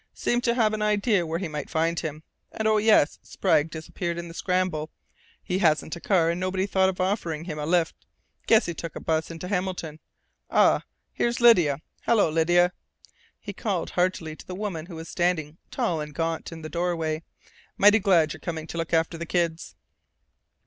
Seemed to have an idea where he might find him.... And, oh, yes, Sprague disappeared in the scramble. He hasn't a car and nobody thought of offering him a lift. Guess he took a bus into Hamilton.... Ah! Here's Lydia!... Hello, Lydia!" he called heartily to the woman who was standing, tall and gaunt, in the doorway. "Mighty glad you're coming to look after the kids!"